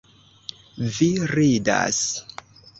Vi ridas!